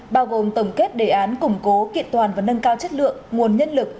bao gồm tổng kết đề án củng cố kiện toàn và nâng cao chất lượng nguồn nhân lực